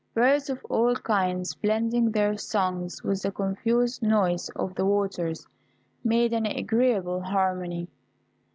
Birds of all kinds blending their songs with the confused noise of the waters, made an agreeable harmony.